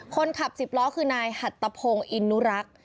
คนขับ๑๐ล้อคือนายหัตตะพงศ์อินนุรักษ์